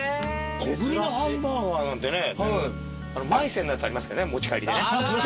小ぶりのハンバーガーなんてねまい泉のやつありますかね持ち帰りでね。